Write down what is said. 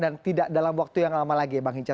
dan tidak dalam waktu yang lama lagi bang hinca